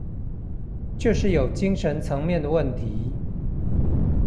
就是有精神層面的問題